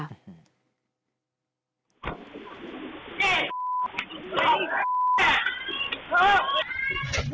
ไอโหล